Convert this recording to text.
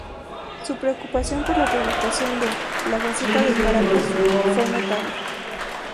Su preocupación por la publicación de "La Gazeta de Caracas" fue notable.